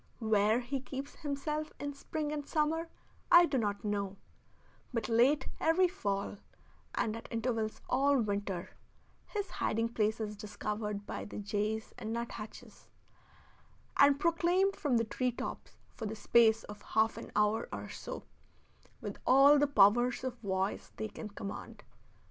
Where he keeps himself in spring and summer I do not know, but late every fall, and at intervals all winter, his hiding place is discovered by the jays and nut hatches, and proclaimed from the tree tops for the space of half an hour or so, with all the powers of voice they can command.